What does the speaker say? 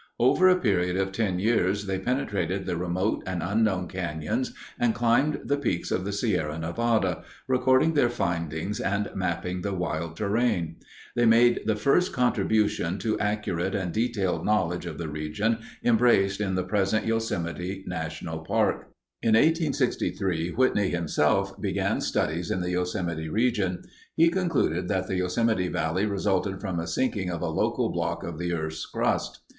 Over a period of ten years they penetrated the remote and unknown canyons and climbed the peaks of the Sierra Nevada, recording their findings and mapping the wild terrain. They made the first contribution to accurate and detailed knowledge of the region embraced in the present Yosemite National Park. In 1863, Whitney himself began studies in the Yosemite region. He concluded that the Yosemite Valley resulted from a sinking of a local block of the earth's crust.